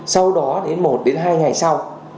sau đó đến một đến hai ngày sau